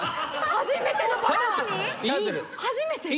初めてのパターン。